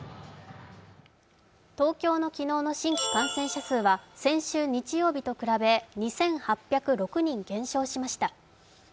東京の昨日の新規感染者数は先週の日曜日と比べ２８０６人減少しました。